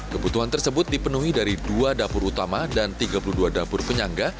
kebutuhan tersebut dipenuhi dari dua dapur utama dan tiga puluh dua dapur penyangga